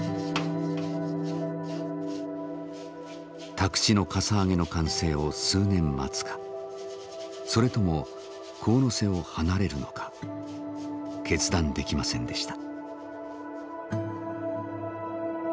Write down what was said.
宅地のかさ上げの完成を数年待つかそれとも神瀬を離れるのか決断できませんでした。